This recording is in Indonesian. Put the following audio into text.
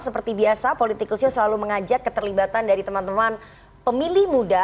seperti biasa political show selalu mengajak keterlibatan dari teman teman pemilih muda